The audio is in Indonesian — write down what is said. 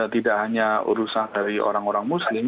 tidak hanya urusan dari orang orang muslim